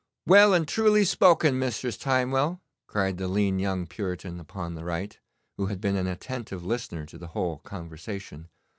'Well and truly spoken, Mistress Timewell,' cried the lean young Puritan upon the right, who had been an attentive listener to the whole conversation.